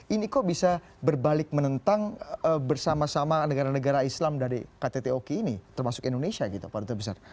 ini kok bisa berbalik menentang bersama sama negara negara islam dari ktt oki ini termasuk indonesia gitu pak duta besar